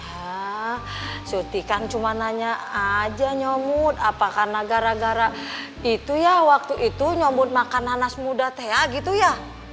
haa suti kan cuma nanya aja nyomud apakah karena gara gara itu ya waktu itu nyomud makan nanas muda teh gitu ya